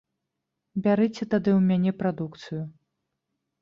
Бярыце тады ў мяне прадукцыю.